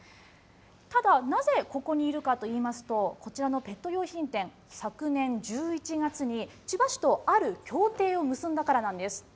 ただ、なぜここにいるかといいますと、こちらのペット用品店、昨年１１月に千葉市とある協定を結んだからなんです。